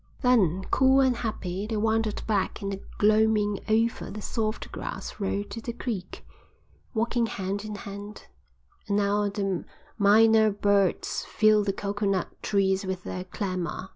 Then, cool and happy, they wandered back in the gloaming over the soft grass road to the creek, walking hand in hand, and now the mynah birds filled the coconut trees with their clamour.